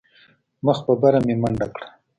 مخ په بره مې منډه کړه.